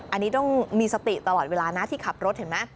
อันนี้ต้องมีสติตลอดเวลานะที่ขับรถเห็นไหม